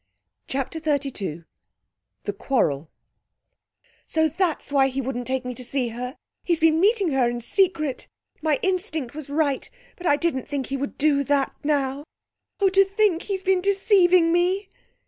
CHAPTER XXXIII The Quarrel 'So that's why he wouldn't take me to see her! He's been meeting her in secret. My instinct was right, but I didn't think he would do that now. Oh, to think he's been deceiving me!'